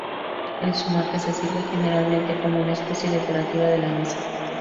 El zumaque se sirve generalmente como una especia decorativa de la mesa.